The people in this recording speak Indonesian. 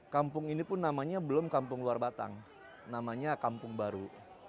kampung ini pun namanya belum kampung luar batang namanya kampung baru